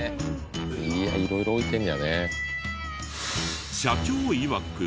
いや色々置いてんねやね。